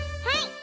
はい。